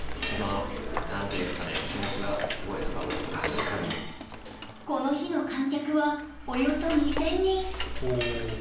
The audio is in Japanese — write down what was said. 多分この日の観客はおよそ２，０００人。